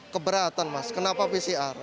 keberatan mas kenapa pcr